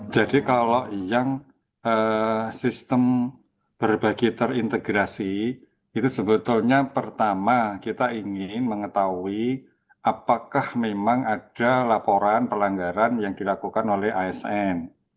jadi kalau yang sistem berbagai terintegrasi itu sebetulnya pertama kita ingin mengetahui apakah memang ada laporan pelanggaran yang dilakukan oleh asn